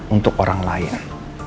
untuk orang lain